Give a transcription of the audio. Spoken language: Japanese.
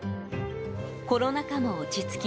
コロナ禍も落ち着き